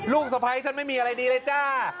ลูกสะพัยฉันไม่มีอะไรดีเลยจ้าม